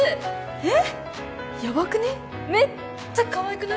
えっ！？